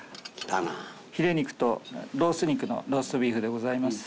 ヒレ肉とロース肉のローストビーフでございます。